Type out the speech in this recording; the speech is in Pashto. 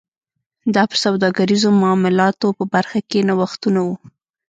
دا په سوداګریزو معاملاتو په برخه کې نوښتونه و